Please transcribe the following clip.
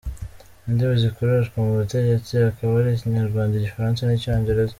Indimi zikoreshwa mu butegetsi akaba ari Ikinyarwanda, Igifaransa n’Icyongereza.